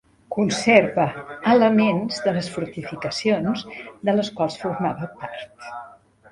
Conserva elements de les fortificacions, de les quals formava part.